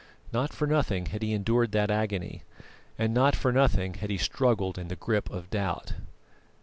Not for nothing had he endured that agony, and not for nothing had he struggled in the grip of doubt.